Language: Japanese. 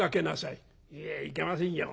「いえいけませんよ。